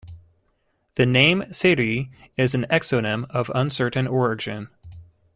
The name Seri is an exonym of uncertain origin.